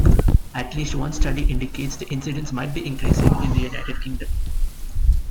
At least one study indicates the incidence might be increasing in the United Kingdom.